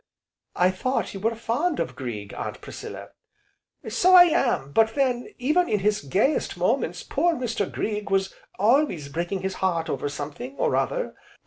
"I thought you were fond of Grieg, Aunt Priscilla." "So I am, but then, even in his gayest moments, poor Mr. Grieg was always breaking his heart over something, or other.